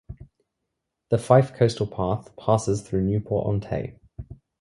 The Fife Coastal Path passes through Newport-on-Tay.